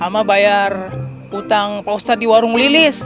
sama bayar utang pak ustadz di warung lilis